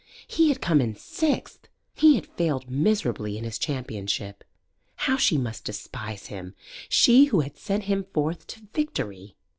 He had come in sixth! He had failed miserably in his championship. How she must despise him she who had sent him forth to victory!